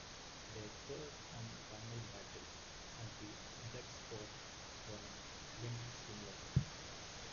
Their third and final battle, at the Bloodsport tournament, went similarly.